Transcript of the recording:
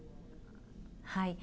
はい。